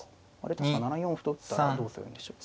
確かに７四歩と打ったらどうするんでしょう。